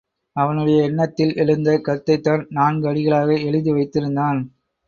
அவனுடைய எண்ணத்தில் எழுந்த கருத்தைத்தான் நான்கு அடிகளாக எழுதி வைத்திருந்தான்.